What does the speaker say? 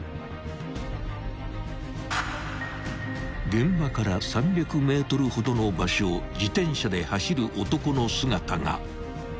［現場から３００ｍほどの場所を自転車で走る男の姿が］